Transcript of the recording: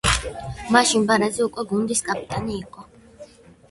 მაშინ ბარეზი უკვე გუნდის კაპიტანი იყო.